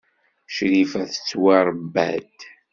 Crifa tettwaṛebba-d.